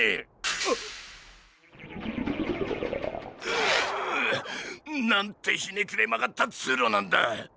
くっなんてひねくれまがったつうろなんだ。